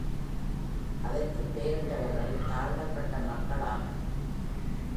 அதற்கு பெயரிட்டவர்கள் தாழிடப்பட்ட மக்கள் ஆவர்.